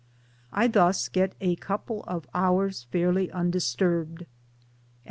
I thus get a couple of hours fairly undisturbed. At 10.